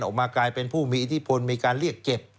ออกมากลายเป็นผู้มีอิทธิพลมีการเรียกเก็บ